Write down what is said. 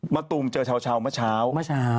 ตูมเจอเช้าเมื่อเช้าเมื่อเช้า